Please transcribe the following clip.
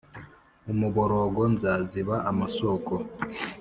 umuborogo Nzaziba amasoko